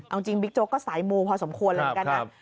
เอาจริงบิ๊กโจ๊กก็สายมูพอสมควรแล้วเหมือนกันนะ